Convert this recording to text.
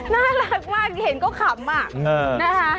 น่ารักมากเห็นก็ขำนะคะ